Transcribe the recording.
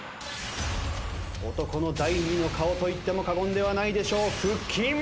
男の第２の顔といっても過言ではないでしょう腹筋！